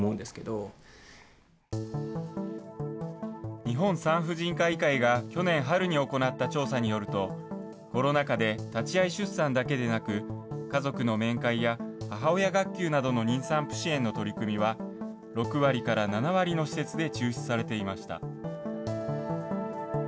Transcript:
日本産婦人科医会が去年春に行った調査によると、コロナ禍で立ち会い出産だけでなく、家族の面会や母親学級などの妊産婦支援の取り組みは、６割から７割の施設で中止されていました。